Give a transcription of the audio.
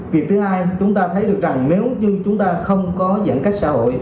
việc thứ hai chúng ta thấy được rằng nếu như chúng ta không có giãn cách xã hội